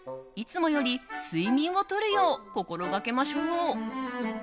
いつもより睡眠をとるよう心がけましょう。